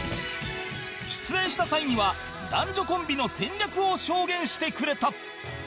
出演した際には男女コンビの戦略を証言してくれた